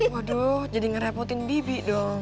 waduh jadi ngerepotin bibi dong